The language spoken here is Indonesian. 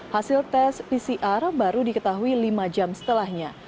hasil tes pcr baru diketahui lima jam setelahnya